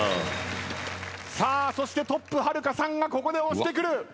さあそしてトップはるかさんがここで押してくる。